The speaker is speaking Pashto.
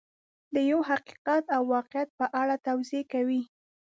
د یو حقیقت او واقعیت په اړه توضیح کوي.